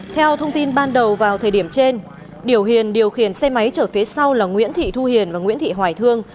theo thông tin ban đầu vào thời điểm trên điểu hiền điều khiển xe máy chở phía sau là nguyễn thị thu hiền và nguyễn thị hoài thương